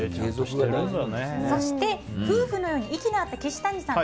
そして夫婦のように息の合った岸谷さん